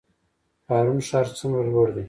پارون ښار څومره لوړ دی؟